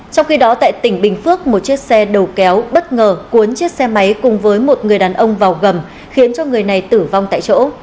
trong khi đó tại tỉnh bình phước một chiếc xe đầu kéo bất ngờ cuốn chiếc xe máy cùng với một người đàn ông vào gầm khiến cho người này tử vong tại chỗ